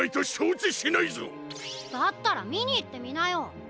だったらみにいってみなよ！